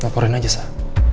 ngelaporin aja sah